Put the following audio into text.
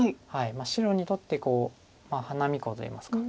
白にとって花見コウといいますか。